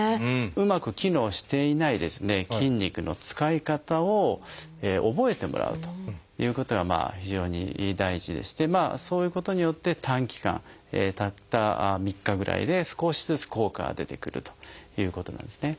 うまく機能していない筋肉の使い方を覚えてもらうということが非常に大事でしてそういうことによって短期間たった３日ぐらいで少しずつ効果が出てくるということなんですね。